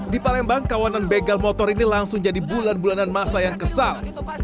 di palembang kawanan begal motor ini langsung jadi bulan bulanan masa yang kesal